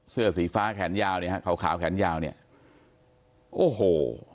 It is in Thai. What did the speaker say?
เสื้อสีฟ้าแขนยาวคาวแขนยาวโอ้โห